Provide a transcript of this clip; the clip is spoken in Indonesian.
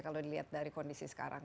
kalau dilihat dari kondisi sekarang